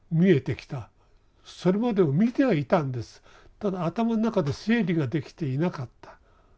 ただ頭の中で整理ができていなかった。